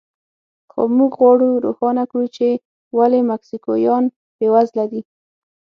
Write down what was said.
خو موږ غواړو روښانه کړو چې ولې مکسیکویان بېوزله دي.